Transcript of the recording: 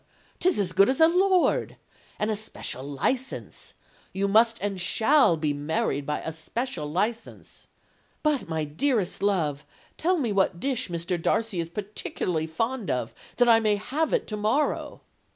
'Tis as good as a lord! And a special license. You must and shall be married by a special license. But, my dearest love, tell me what dish Mr. Darcy is particularly fond of, that I may have it to morrow.'